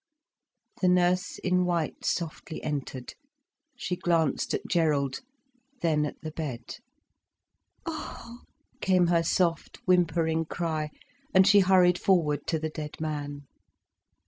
The nurse in white softly entered. She glanced at Gerald, then at the bed. "Ah!" came her soft whimpering cry, and she hurried forward to the dead man.